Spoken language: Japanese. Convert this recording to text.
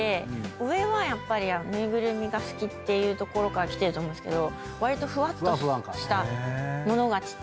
上はやっぱり縫いぐるみが好きってところからきてると思うんですけどわりとふわっとした物がちっちゃいころから好きで。